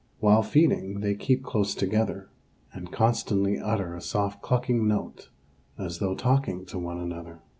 While feeding they keep close together, and constantly utter a soft clucking note, as though talking to one another.